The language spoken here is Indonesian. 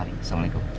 terima kasih pak randy